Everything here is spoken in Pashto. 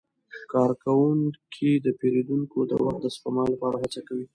کارکوونکي د پیرودونکو د وخت د سپما لپاره هڅه کوي.